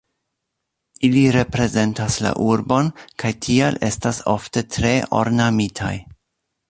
Ili reprezentas la urbon kaj tial estas ofte tre ornamitaj.